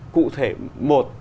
cụ thể một